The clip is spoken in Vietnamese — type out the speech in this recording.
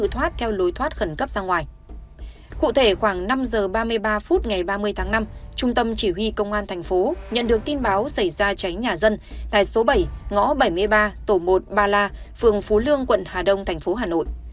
năm h ba mươi ba phút ngày ba mươi tháng năm trung tâm chỉ huy công an thành phố nhận được tin báo xảy ra cháy nhà dân tại số bảy ngõ bảy mươi ba tổ một ba la phường phú lương quận hà đông thành phố hà nội